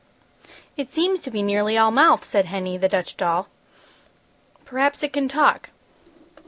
"It seems to be nearly all mouth!" said Henny, the Dutch doll. "Perhaps it can talk."